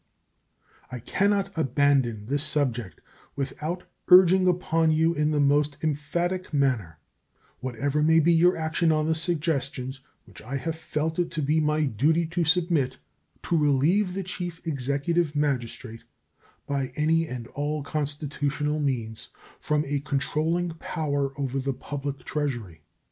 I can not abandon this subject without urging upon you in the most emphatic manner, whatever may be your action on the suggestions which I have felt it to be my duty to submit, to relieve the Chief Executive Magistrate, by any and all constitutional means, from a controlling power over the public Treasury.